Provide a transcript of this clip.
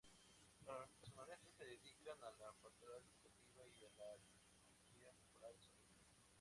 Las canonesas se dedican a la pastoral educativa y a la liturgia coral solemne.